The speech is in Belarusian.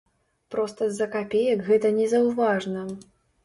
Проста з-за капеек гэта незаўважна.